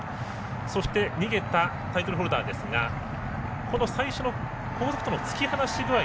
そして逃げたタイトルホルダーですが最初の後続との突き放し具合